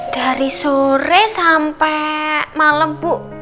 dari sore sampai malam bu